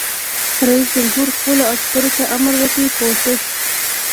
رئیس جمهور خپلو عسکرو ته امر وکړ؛ پوښښ!